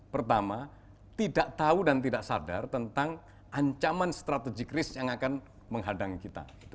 pertama tidak tahu dan tidak sadar tentang ancaman strategik risk yang akan menghadang kita